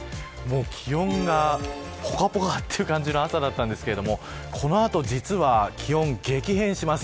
気温がぽかぽかという感じの朝だったんですけどこの後、実は気温、激変します。